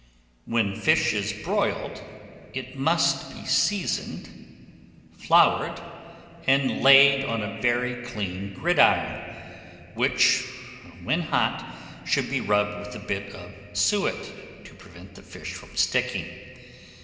WHEN FISH IS BROILED, it must be seasoned, floured, and laid on a very clean gridiron, which, when hot, should be rubbed with a bit of suet, to prevent the fish from sticking.